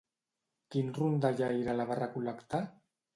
Quin rondallaire la va recol·lectar?